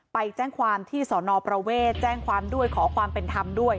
ไปแจ้งความที่สอนอประเวทแจ้งความด้วยขอความเป็นธรรมด้วย